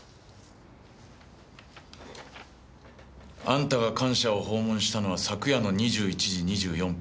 あんたが官舎を訪問したのは昨夜の２１時２４分。